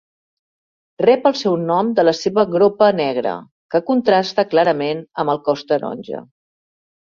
Rep el seu nom de la seva gropa negra, que contrasta clarament amb el cos taronja.